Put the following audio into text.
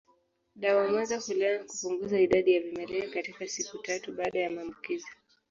Dawa mwenza hulenga kupunguza idadi ya vimelea katika siku tatu baada ya maambukizi